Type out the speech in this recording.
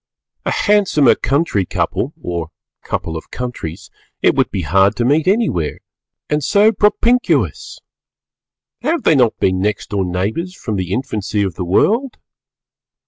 A handsomer country couple or couple of countries it would be hard to meet anywhere, and so propinquous! Have they not been next door neighbours from the infancy of the world?